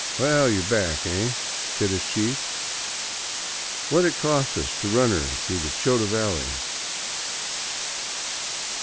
" Well, you *re back, eh ?" said his chief. " What 'd it cost us to run her through the Chota valley